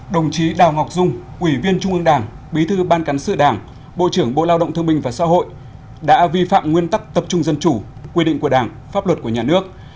đồng chí đào ngọc dung ủy viên trung ương đảng bí thư ban cán sự đảng bộ trưởng bộ lao động thương minh và xã hội đã vi phạm nguyên tắc tập trung dân chủ quy định của đảng pháp luật của nhà nước